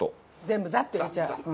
全部ザッと入れちゃう。